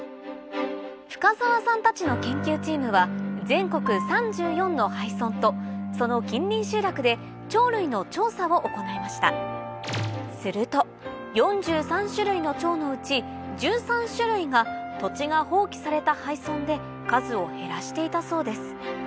深澤さんたちの研究チームは全国３４の廃村とその近隣集落でチョウ類の調査を行いましたすると４３種類のチョウの内１３種類が土地が放棄された廃村で数を減らしていたそうです